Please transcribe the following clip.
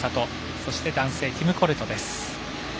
そして男性、ティム・コレトです。